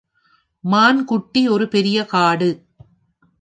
மான்குட்டி ஒரு பெரிய காடு.